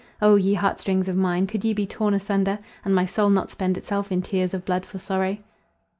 O! ye heart strings of mine, could ye be torn asunder, and my soul not spend itself in tears of blood for sorrow!